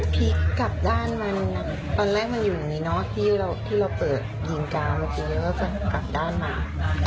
ตอนแรกมันอยู่อยู่นี่เนาะที่เราเปิดยิงกาวนึงแล้วก็กลับด้านมา